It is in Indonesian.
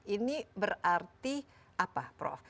ini berarti apa prof